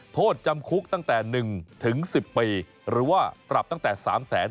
โทษจำคุกตั้งแต่๑๑๐ปีหรือว่าปรับตั้งแต่๓แสน